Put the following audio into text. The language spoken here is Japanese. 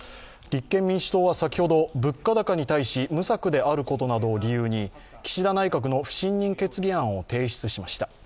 立憲民主党は先ほど、物価高に対して無策であることなどを理由に岸田内閣の不信任決議案を提出しました。